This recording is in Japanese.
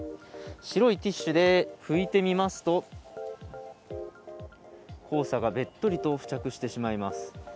白いティッシュでふいてみますと、黄砂がべっとりと付着してしまいます。